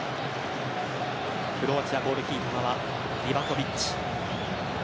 クロアチア、ゴールキーパーはリヴァコヴィッチ。